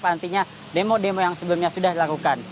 nantinya demo demo yang sebelumnya sudah dilakukan